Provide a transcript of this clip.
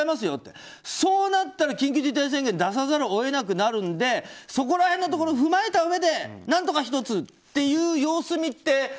よってそうなったら緊急事態宣言出さざるを得なくなるのでそこら辺のところを踏まえたうえで何とか１つっていう様子見で。